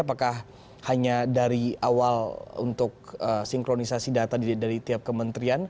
apakah hanya dari awal untuk sinkronisasi data dari tiap kementerian